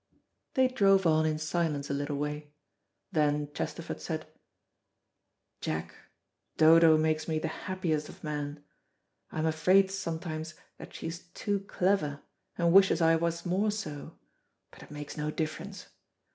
They drove on in silence a little way. Then. Chesterford said, "Jack, Dodo makes me the happiest of men. I am afraid sometimes that she is too clever, and wishes I was more so, but it makes no difference.